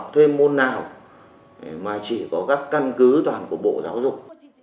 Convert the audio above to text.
thêm môn nào mà chỉ có các căn cứ toàn của bộ giáo dục